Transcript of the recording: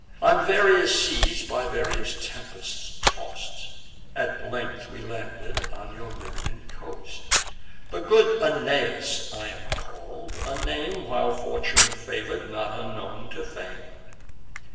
On various seas by various tempests toss'd, At length we landed on your Libyan coast. The good Aeneas am I call'd, a name, While Fortune favour'd, not unknown to fame.